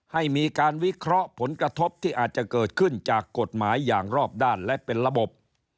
ให้มีการวิเคราะห์ผลกระทบที่อาจจะเกิดขึ้นจากกฎหมายอย่างรอบด้านและเป็นระบบ